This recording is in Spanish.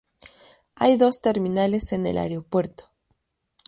Hay dos terminales en el aeropuerto.